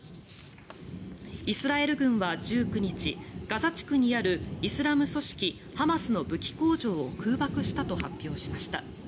イスラエル軍は１９日ガザ地区にあるイスラム組織ハマスの武器工場を空爆したと発表しました。